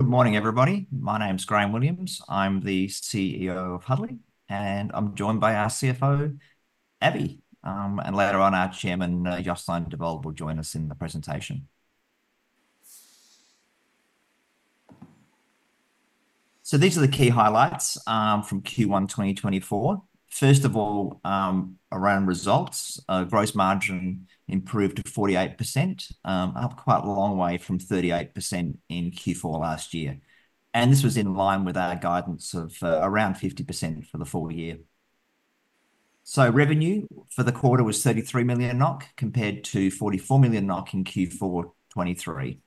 Good morning, everybody. My name's Graham Williams. I'm the CEO of Huddly, and I'm joined by our CFO, Abhijit, and later on our chairman, Jostein Devold, will join us in the presentation. These are the key highlights from Q1 2024. First of all, around results, gross margin improved to 48%, up quite a long way from 38% in Q4 last year. This was in line with our guidance of around 50% for the full year. Revenue for the quarter was 33 million NOK compared to 44 million NOK in Q4 2023.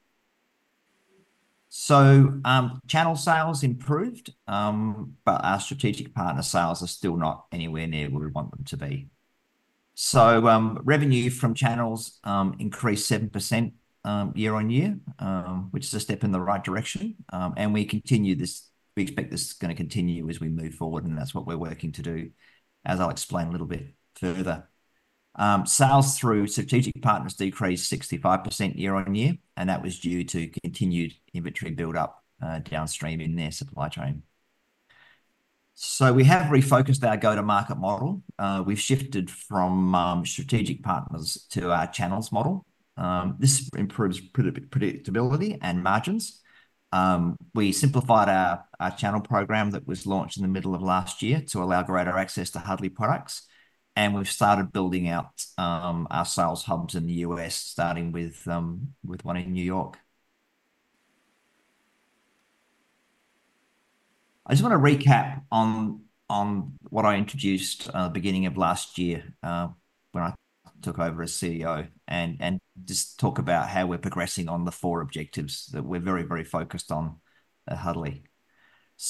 Channel sales improved, but our strategic partner sales are still not anywhere near where we want them to be. Revenue from channels increased 7% year-on-year, which is a step in the right direction. We expect this is going to continue as we move forward, and that's what we're working to do, as I'll explain a little bit further. Sales through strategic partners decreased 65% year-over-year, and that was due to continued inventory buildup downstream in their supply chain. We have refocused our go-to-market model. We've shifted from strategic partners to our channels model. This improves predictability and margins. We simplified our channel program that was launched in the middle of last year to allow greater access to Huddly products. We've started building out our sales hubs in the U.S., starting with one in New York. I just want to recap on what I introduced at the beginning of last year when I took over as CEO and just talk about how we're progressing on the four objectives that we're very, very focused on at Huddly.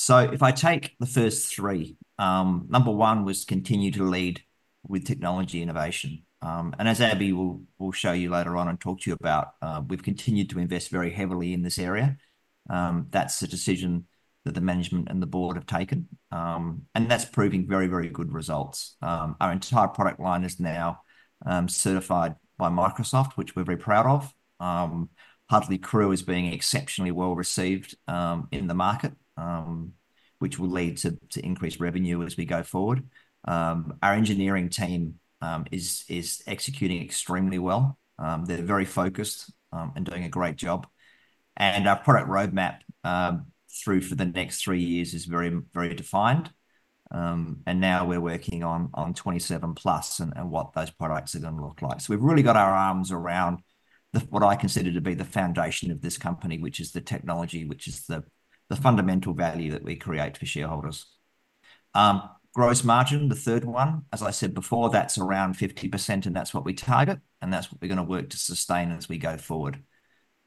If I take the first three, number one was continue to lead with technology innovation. As Abhijit will show you later on and talk to you about, we've continued to invest very heavily in this area. That's a decision that the management and the board have taken. That's proving very, very good results. Our entire product line is now certified by Microsoft, which we're very proud of. Huddly Crew is being exceptionally well-received in the market, which will lead to increased revenue as we go forward. Our engineering team is executing extremely well. They're very focused and doing a great job. Our product roadmap through for the next three years is very, very defined. Now we're working on 27+ and what those products are going to look like. So we've really got our arms around what I consider to be the foundation of this company, which is the technology, which is the fundamental value that we create for shareholders. Gross margin, the third one, as I said before, that's around 50%, and that's what we target. That's what we're going to work to sustain as we go forward.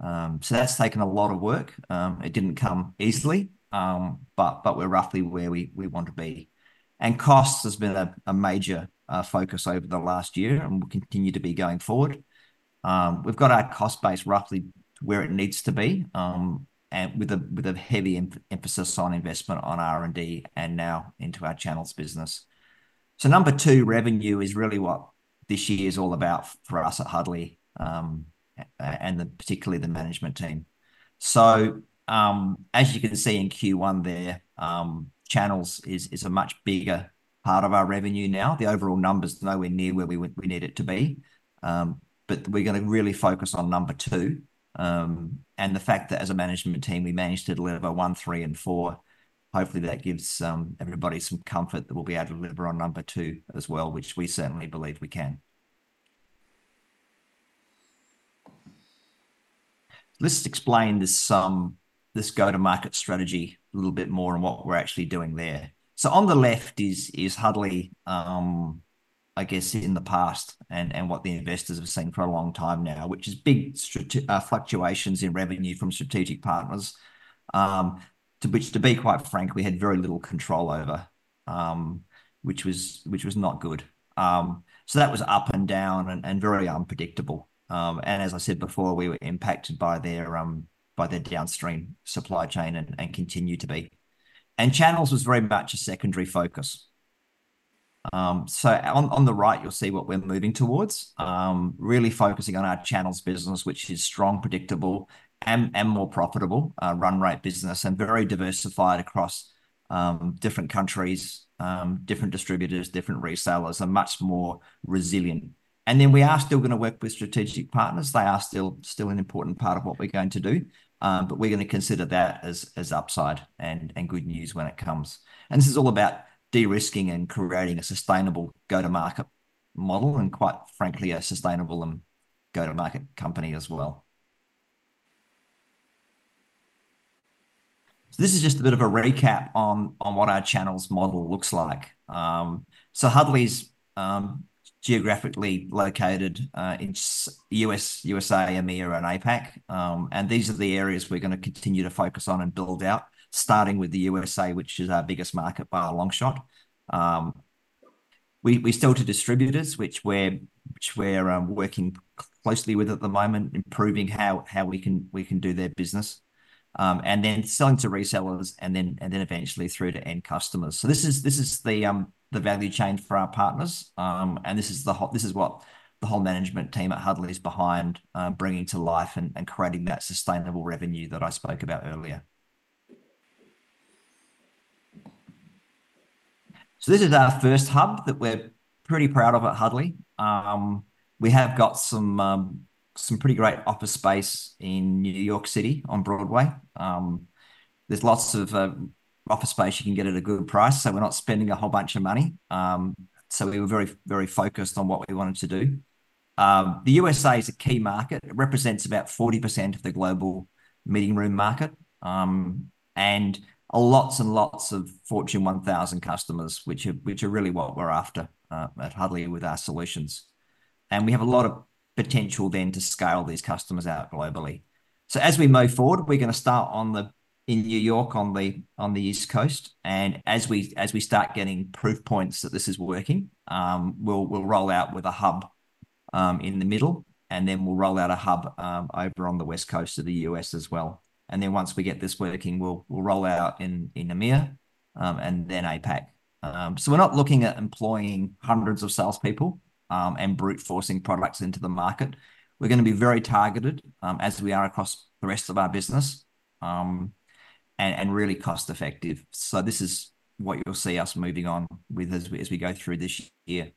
So that's taken a lot of work. It didn't come easily, but we're roughly where we want to be. Costs have been a major focus over the last year, and we'll continue to be going forward. We've got our cost base roughly where it needs to be with a heavy emphasis on investment on R&D and now into our channels business. So number two, revenue is really what this year is all about for us at Huddly and particularly the management team. So as you can see in Q1 there, channels is a much bigger part of our revenue now. The overall numbers are nowhere near where we need it to be. But we're going to really focus on number 2. And the fact that as a management team, we managed to deliver 1, 3, and 4, hopefully that gives everybody some comfort that we'll be able to deliver on number 2 as well, which we certainly believe we can. Let's explain this go-to-market strategy a little bit more and what we're actually doing there. So on the left is Huddly, I guess, in the past and what the investors have seen for a long time now, which is big fluctuations in revenue from strategic partners. To be quite frank, we had very little control over, which was not good. So that was up and down and very unpredictable. As I said before, we were impacted by their downstream supply chain and continue to be. Channels was very much a secondary focus. On the right, you'll see what we're moving towards, really focusing on our channels business, which is strong, predictable, and more profitable run-rate business and very diversified across different countries, different distributors, different resellers, and much more resilient. Then we are still going to work with strategic partners. They are still an important part of what we're going to do. But we're going to consider that as upside and good news when it comes. This is all about de-risking and creating a sustainable go-to-market model and, quite frankly, a sustainable go-to-market company as well. This is just a bit of a recap on what our channels model looks like. Huddly is geographically located in USA, EMEA, and APAC. These are the areas we're going to continue to focus on and build out, starting with the USA, which is our biggest market by a long shot. We still have distributors, which we're working closely with at the moment, improving how we can do their business, and then selling to resellers, and then eventually through to end customers. This is the value chain for our partners. This is what the whole management team at Huddly is behind bringing to life and creating that sustainable revenue that I spoke about earlier. This is our first hub that we're pretty proud of at Huddly. We have got some pretty great office space in New York City on Broadway. There's lots of office space you can get at a good price. We're not spending a whole bunch of money. So we were very, very focused on what we wanted to do. The USA is a key market. It represents about 40% of the global meeting room market and lots and lots of Fortune 1000 customers, which are really what we're after at Huddly with our solutions. We have a lot of potential then to scale these customers out globally. So as we move forward, we're going to start in New York on the East Coast. As we start getting proof points that this is working, we'll roll out with a hub in the middle. Then we'll roll out a hub over on the West Coast of the US as well. Then once we get this working, we'll roll out in EMEA and then APAC. So we're not looking at employing hundreds of salespeople and brute-forcing products into the market. We're going to be very targeted as we are across the rest of our business and really cost-effective. So this is what you'll see us moving on with as we go through this year.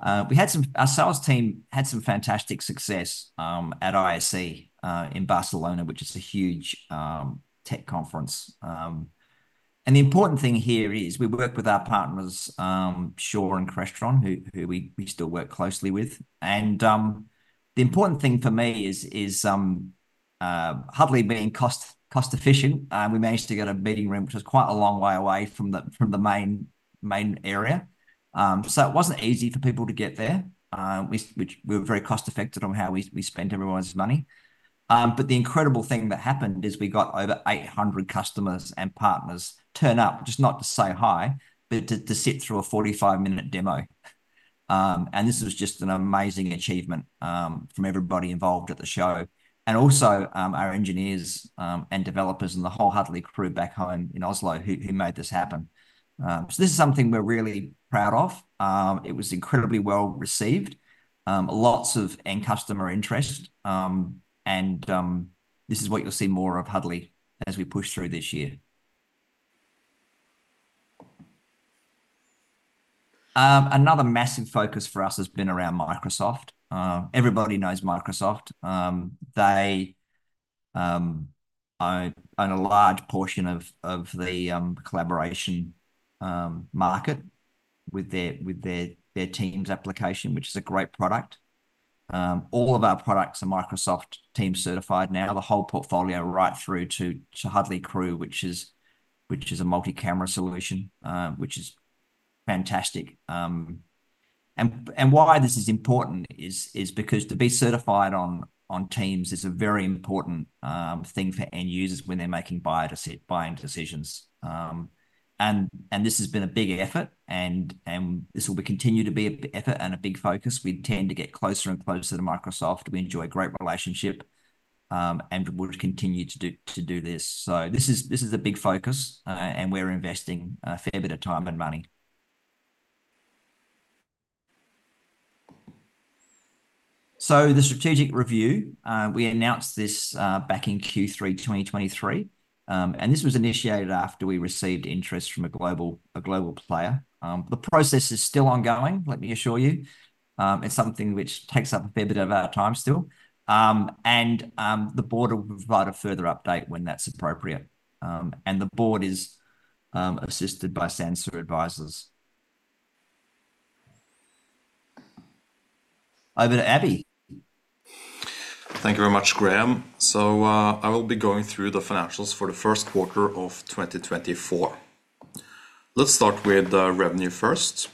Our sales team had some fantastic success at ISE in Barcelona, which is a huge tech conference. The important thing here is we work with our partners, Shure and Crestron, who we still work closely with. The important thing for me is Huddly being cost-efficient. We managed to get a meeting room, which was quite a long way away from the main area. So it wasn't easy for people to get there, which we were very cost-effective on how we spent everyone's money. But the incredible thing that happened is we got over 800 customers and partners turn up, just not to say hi, but to sit through a 45-minute demo. This was just an amazing achievement from everybody involved at the show and also our engineers and developers and the whole Huddly crew back home in Oslo who made this happen. This is something we're really proud of. It was incredibly well received, lots of end customer interest. This is what you'll see more of Huddly as we push through this year. Another massive focus for us has been around Microsoft. Everybody knows Microsoft. They own a large portion of the collaboration market with their Teams application, which is a great product. All of our products are Microsoft Teams certified now, the whole portfolio right through to Huddly Crew, which is a multi-camera solution, which is fantastic. Why this is important is because to be certified on Teams is a very important thing for end users when they're making buying decisions. This has been a big effort. This will continue to be a big effort and a big focus. We tend to get closer and closer to Microsoft. We enjoy a great relationship and would continue to do this. So this is a big focus, and we're investing a fair bit of time and money. So the strategic review, we announced this back in Q3 2023. This was initiated after we received interest from a global player. The process is still ongoing, let me assure you. It's something which takes up a fair bit of our time still. The board will provide a further update when that's appropriate. The board is assisted by Sansa Advisors. Over to Abhijit. Thank you very much, Graham. So I will be going through the financials for the first quarter of 2024. Let's start with revenue first.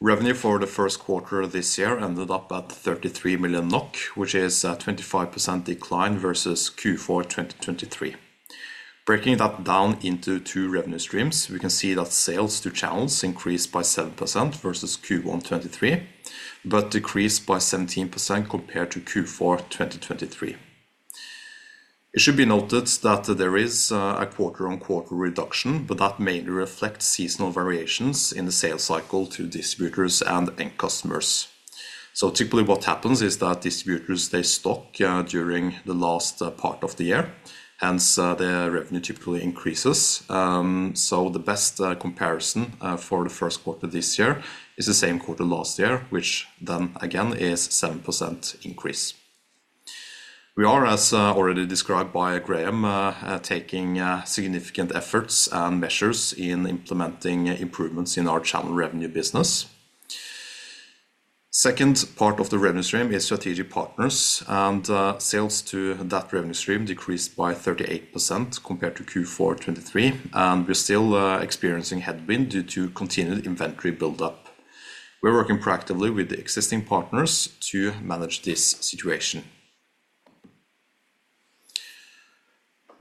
Revenue for the first quarter this year ended up at 33 million NOK, which is a 25% decline versus Q4 2023. Breaking that down into two revenue streams, we can see that sales to channels increased by 7% versus Q1 2023, but decreased by 17% compared to Q4 2023. It should be noted that there is a quarter-on-quarter reduction, but that mainly reflects seasonal variations in the sales cycle to distributors and end customers. So typically what happens is that distributors, they stock during the last part of the year. Hence, their revenue typically increases. So the best comparison for the first quarter this year is the same quarter last year, which then again is a 7% increase. We are, as already described by Graham, taking significant efforts and measures in implementing improvements in our channel revenue business. Second part of the revenue stream is strategic partners. Sales to that revenue stream decreased by 38% compared to Q4 2023. We're still experiencing headwind due to continued inventory buildup. We're working proactively with the existing partners to manage this situation.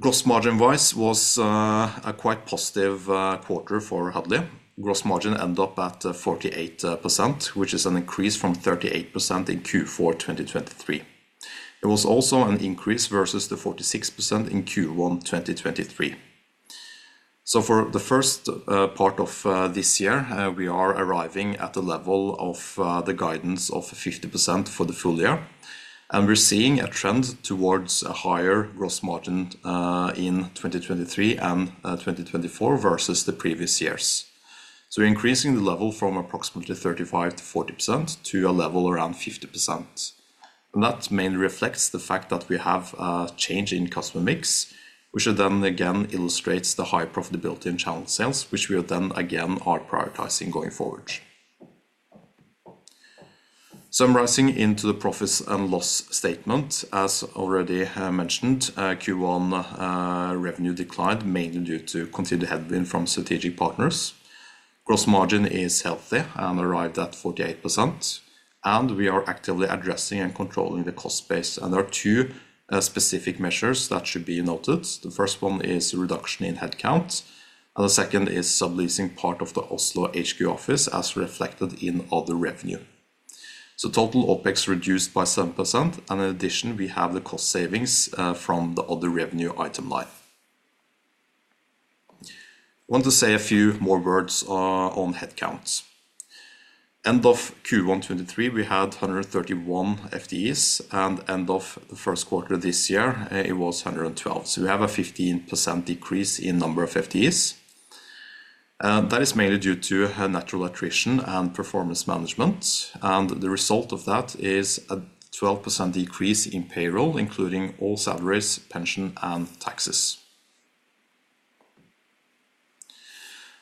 Gross margin-wise was a quite positive quarter for Huddly. Gross margin ended up at 48%, which is an increase from 38% in Q4 2023. It was also an increase versus the 46% in Q1 2023. For the first part of this year, we are arriving at a level of the guidance of 50% for the full year. We're seeing a trend towards a higher gross margin in 2023 and 2024 versus the previous years. So we're increasing the level from approximately 35%-40% to a level around 50%. And that mainly reflects the fact that we have a change in customer mix, which then again illustrates the high profitability in channel sales, which we are then again prioritizing going forward. Summarizing into the profit and loss statement, as already mentioned, Q1 revenue declined mainly due to continued headwind from strategic partners. Gross margin is healthy and arrived at 48%. And we are actively addressing and controlling the cost base. And there are two specific measures that should be noted. The first one is reduction in headcount. And the second is subleasing part of the Oslo HQ office as reflected in other revenue. So total OPEX reduced by 7%. And in addition, we have the cost savings from the other revenue item line. I want to say a few more words on headcount. End of Q1 2023, we had 131 FTEs. End of the first quarter this year, it was 112. So we have a 15% decrease in number of FTEs. That is mainly due to natural attrition and performance management. The result of that is a 12% decrease in payroll, including all salaries, pension, and taxes.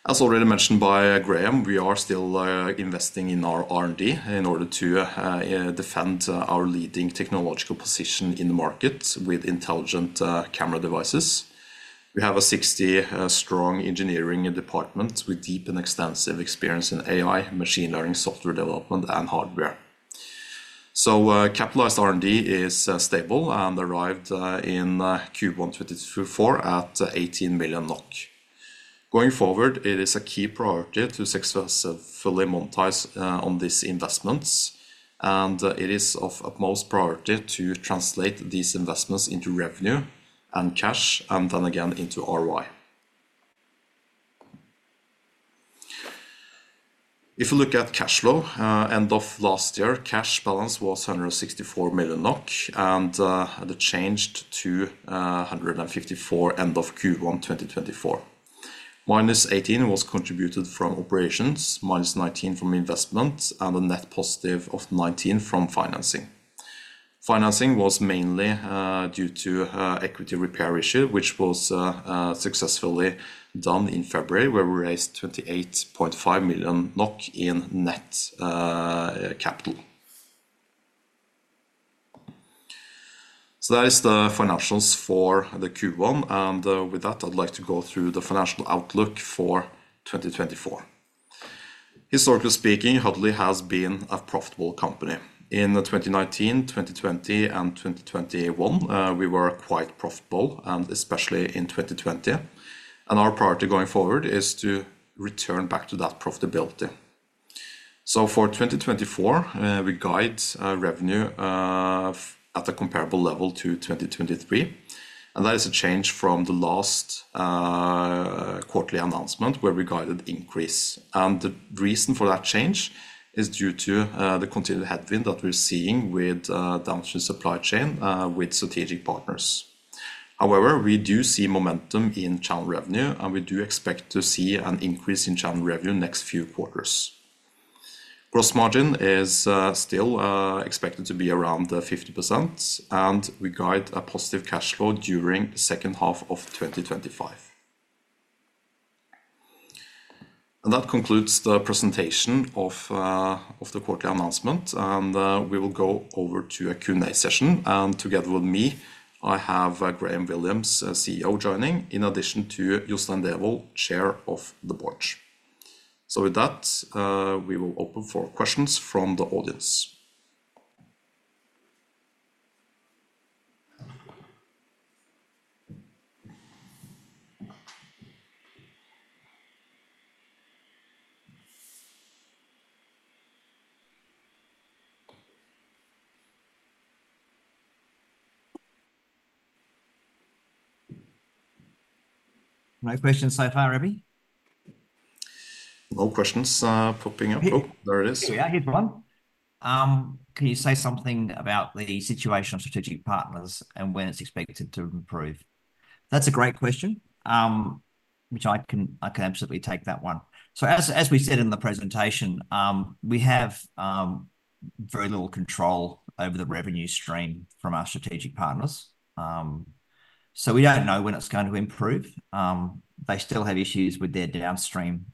As already mentioned by Graham, we are still investing in our R&D in order to defend our leading technological position in the market with intelligent camera devices. We have a 60-strong engineering department with deep and extensive experience in AI, machine learning, software development, and hardware. So capitalized R&D is stable and arrived in Q1 2024 at 18 million NOK. Going forward, it is a key priority to successfully monetize on these investments. It is of utmost priority to translate these investments into revenue and cash and then again into ROI. If we look at cash flow, end of last year, cash balance was 164 million NOK. And it changed to 154 million end of Q1 2024. -18 million was contributed from operations, -19 million from investment, and a net positive of 19 million from financing. Financing was mainly due to equity repair issue, which was successfully done in February, where we raised 28.5 million NOK in net capital. So that is the financials for Q1. And with that, I'd like to go through the financial outlook for 2024. Historically speaking, Huddly has been a profitable company. In 2019, 2020, and 2021, we were quite profitable, and especially in 2020. And our priority going forward is to return back to that profitability. So for 2024, we guide revenue at a comparable level to 2023. And that is a change from the last quarterly announcement where we guided increase. The reason for that change is due to the continued headwind that we're seeing with downstream supply chain with strategic partners. However, we do see momentum in channel revenue, and we do expect to see an increase in channel revenue next few quarters. Gross margin is still expected to be around 50%. We guide a positive cash flow during the second half of 2025. That concludes the presentation of the quarterly announcement. We will go over to a Q&A session. Together with me, I have Graham Williams, CEO, joining in addition to Jostein Devold, Chair of the Board. With that, we will open for questions from the audience. Nice question so far, Abhijit. No questions popping up. Oh, there it is. Yeah, I hit one. Can you say something about the situation of strategic partners and when it's expected to improve? That's a great question, which I can absolutely take that one. So as we said in the presentation, we have very little control over the revenue stream from our strategic partners. So we don't know when it's going to improve. They still have issues with their downstream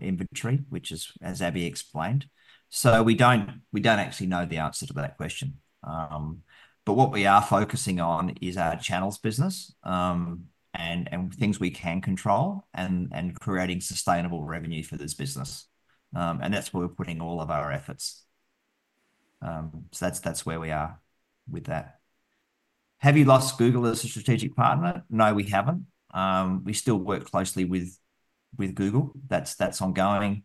inventory, which is, as Abhijit explained. So we don't actually know the answer to that question. But what we are focusing on is our channels business and things we can control and creating sustainable revenue for this business. And that's where we're putting all of our efforts. So that's where we are with that. Have you lost Google as a strategic partner? No, we haven't. We still work closely with Google. That's ongoing.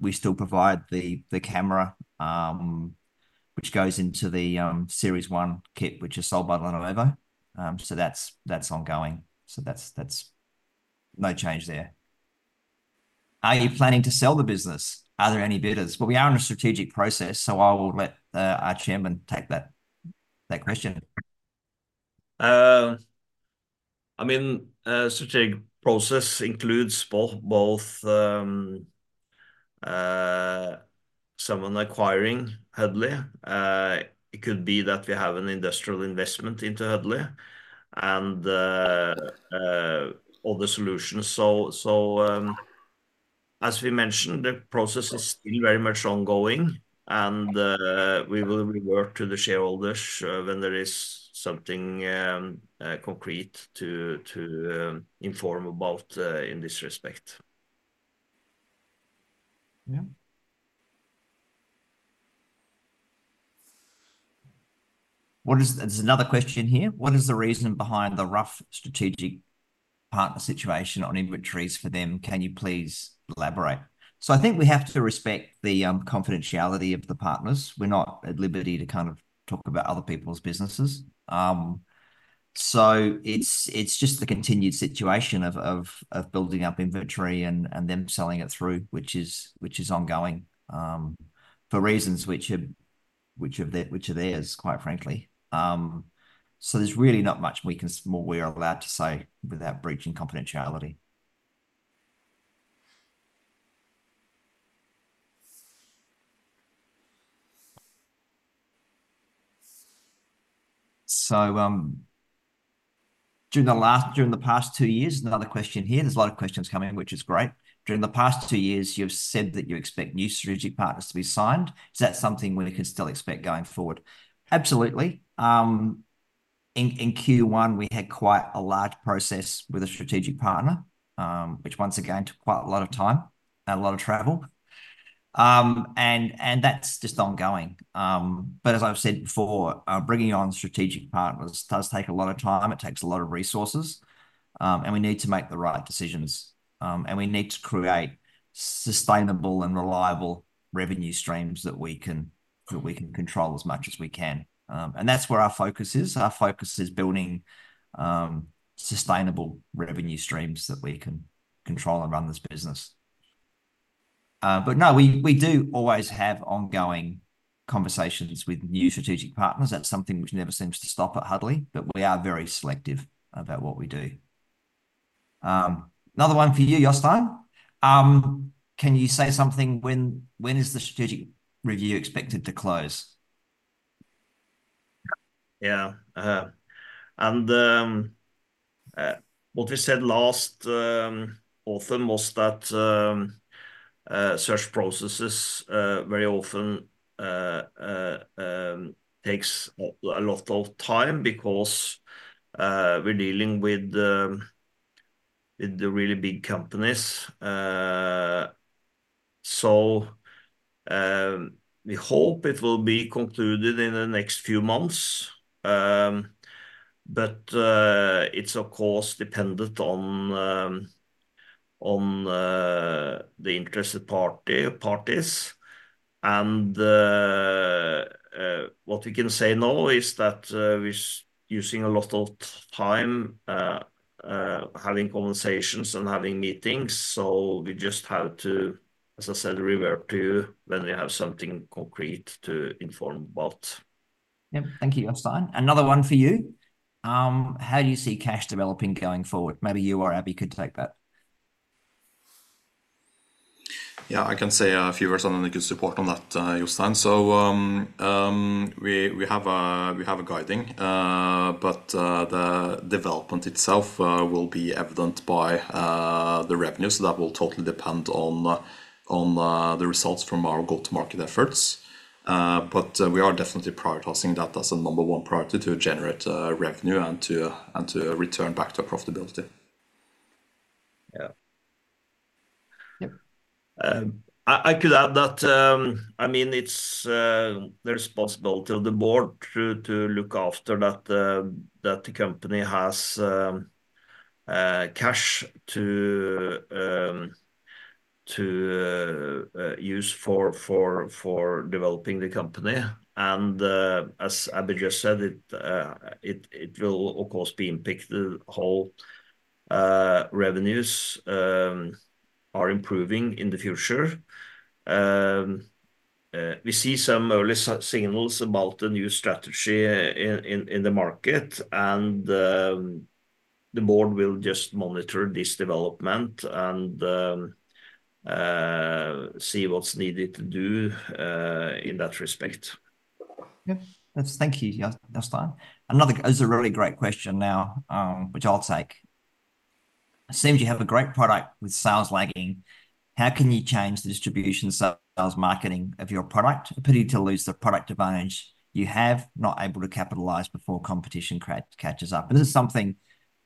We still provide the camera, which goes into the Series One kit, which is sold by Lenovo. So that's ongoing. So no change there. Are you planning to sell the business? Are there any bidders? Well, we are in a strategic process. So I will let our chairman take that question. I mean, the strategic process includes both someone acquiring Huddly. It could be that we have an industrial investment into Huddly and other solutions. As we mentioned, the process is still very much ongoing. We will revert to the shareholders when there is something concrete to inform about in this respect. There's another question here. What is the reason behind the rough strategic partner situation on inventories for them? Can you please elaborate? So, I think we have to respect the confidentiality of the partners. We're not at liberty to kind of talk about other people's businesses. So, it's just the continued situation of building up inventory and them selling it through, which is ongoing for reasons which are theirs, quite frankly. So, there's really not much more we are allowed to say without breaching confidentiality. So, during the past two years, another question here. There's a lot of questions coming, which is great. During the past two years, you've said that you expect new strategic partners to be signed. Is that something we can still expect going forward? Absolutely. In Q1, we had quite a large process with a strategic partner, which once again took quite a lot of time and a lot of travel. That's just ongoing. As I've said before, bringing on strategic partners does take a lot of time. It takes a lot of resources. We need to make the right decisions. We need to create sustainable and reliable revenue streams that we can control as much as we can. That's where our focus is. Our focus is building sustainable revenue streams that we can control and run this business. No, we do always have ongoing conversations with new strategic partners. That's something which never seems to stop at Huddly. We are very selective about what we do. Another one for you, Jostein. Can you say something? When is the strategic review expected to close? Yeah. And what we said last autumn was that search processes very often take a lot of time because we're dealing with really big companies. So we hope it will be concluded in the next few months. But it's, of course, dependent on the interested parties. And what we can say now is that we're using a lot of time having conversations and having meetings. So we just have to, as I said, revert to when we have something concrete to inform about. Thank you, Jostein. Another one for you. How do you see cash developing going forward? Maybe you or Abhijit could take that. I can say a few words on any good support on that, Jostein. So we have a guiding. But the development itself will be evident by the revenue. So that will totally depend on the results from our go-to-market efforts. But we are definitely prioritizing that as a number one priority to generate revenue and to return back to profitability. I could add that, I mean, the responsibility of the board to look after that the company has cash to use for developing the company. And as Abhijit just said, it will, of course, be impacted if whole revenues are improving in the future. We see some early signals about a new strategy in the market. And the board will just monitor this development and see what's needed to do in that respect. Yeah. Thank you, Jostein. Another really great question now, which I'll take. It seems you have a great product with sales lagging. How can you change the distribution, sales, marketing of your product? Pity to lose the product advantage you have not able to capitalize before competition catches up. And this is something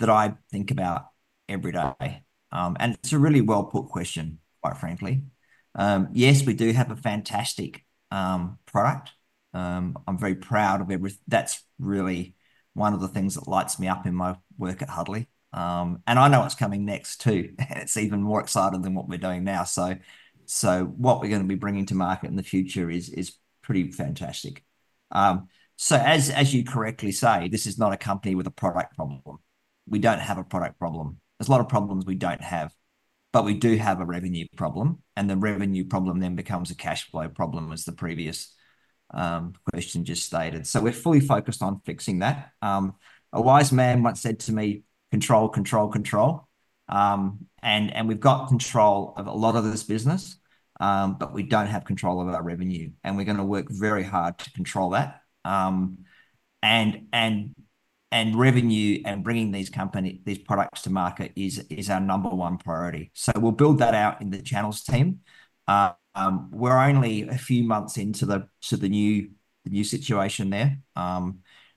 that I think about every day. And it's a really well-put question, quite frankly. Yes, we do have a fantastic product. I'm very proud of everything. That's really one of the things that lights me up in my work at Huddly. And I know what's coming next, too. It's even more exciting than what we're doing now. So what we're going to be bringing to market in the future is pretty fantastic. So as you correctly say, this is not a company with a product problem. We don't have a product problem. There's a lot of problems we don't have. But we do have a revenue problem. The revenue problem then becomes a cash flow problem, as the previous question just stated. We're fully focused on fixing that. A wise man once said to me, "Control, control, control." We've got control of a lot of this business. But we don't have control of our revenue. We're going to work very hard to control that. Revenue and bringing these products to market is our number one priority. We'll build that out in the channels team. We're only a few months into the new situation there.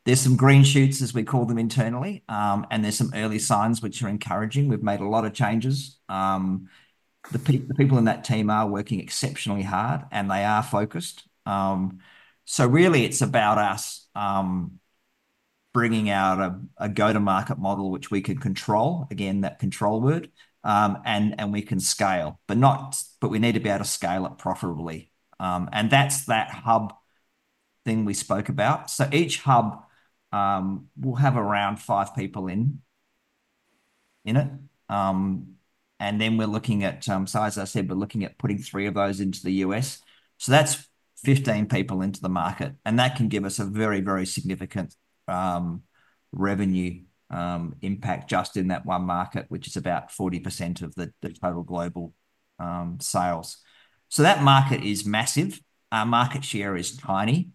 There's some green shoots, as we call them internally. There's some early signs, which are encouraging. We've made a lot of changes. The people in that team are working exceptionally hard. They are focused. So really, it's about us bringing out a go-to-market model, which we can control, again, that control word. And we can scale. But we need to be able to scale it profitably. And that's that hub thing we spoke about. So each hub, we'll have around five people in it. And then we're looking at, so as I said, we're looking at putting three of those into the US. So that's 15 people into the market. And that can give us a very, very significant revenue impact just in that one market, which is about 40% of the total global sales. So that market is massive. Our market share is tiny.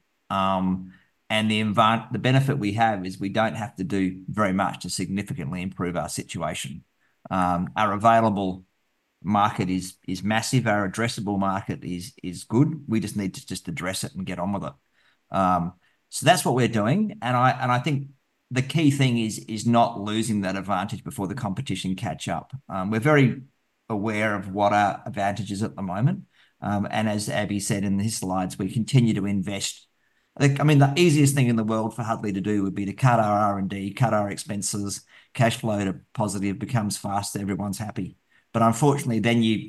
And the benefit we have is we don't have to do very much to significantly improve our situation. Our available market is massive. Our addressable market is good. We just need to address it and get on with it. So that's what we're doing. I think the key thing is not losing that advantage before the competition catches up. We're very aware of what our advantage is at the moment. As Abhijit said in his slides, we continue to invest. I mean, the easiest thing in the world for Huddly to do would be to cut our R&D, cut our expenses. Cash flow to positive becomes faster. Everyone's happy. But unfortunately, then you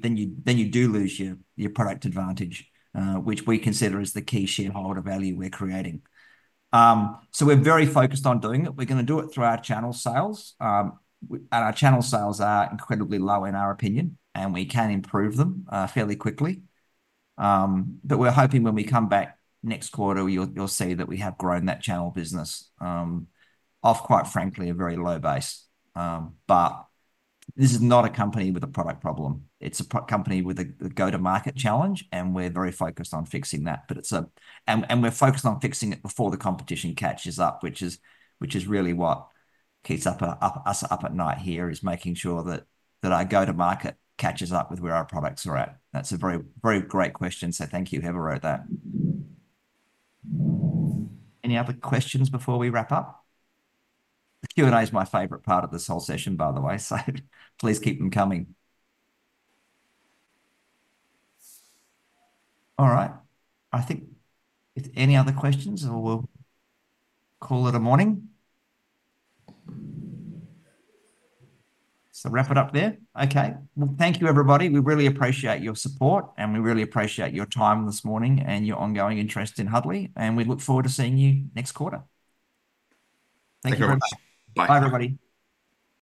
do lose your product advantage, which we consider as the key shareholder value we're creating. So we're very focused on doing it. We're going to do it through our channel sales. Our channel sales are incredibly low, in our opinion. We can improve them fairly quickly. But we're hoping when we come back next quarter, you'll see that we have grown that channel business off, quite frankly, a very low base. But this is not a company with a product problem. It's a company with a go-to-market challenge. And we're very focused on fixing that. And we're focused on fixing it before the competition catches up, which is really what keeps us up at night here, is making sure that our go-to-market catches up with where our products are at. That's a very great question. So thank you, Heather, for that. Any other questions before we wrap up? The Q&A is my favorite part of this whole session, by the way. So please keep them coming. All right. I think if any other questions, or we'll call it a morning. So wrap it up there? Okay. Well, thank you, everybody. We really appreciate your support. We really appreciate your time this morning and your ongoing interest in Huddly. We look forward to seeing you next quarter. Thank you, everybody. Thank you. Bye. Bye, everybody.